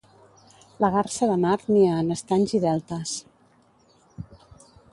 La garsa de mar nia en estanys i deltes.